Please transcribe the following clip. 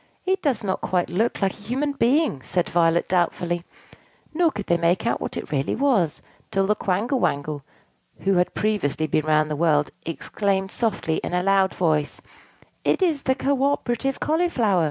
"It does not quite look like a human being," said Violet doubtfully; nor could they make out what it really was, till the Quangle Wangle (who had previously been round the world) exclaimed softly in a loud voice, "It is the co operative Cauliflower!"